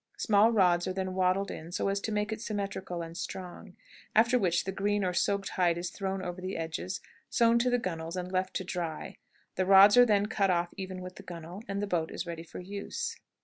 Small rods are then wattled in so as to make it symmetrical and strong. After which the green or soaked hide is thrown over the edges, sewed to the gunwales, and left to dry. The rods are then cut off even with the gunwale, and the boat is ready for use.